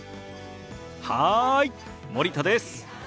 はい森田です。